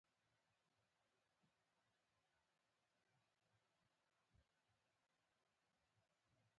غافل څوک دی؟